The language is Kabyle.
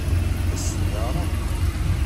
Ad as-ten-yeɛṛeḍ?